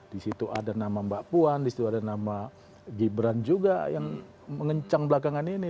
disitu ada nama mbak puan disitu ada nama gibran juga yang mengencang belakangan ini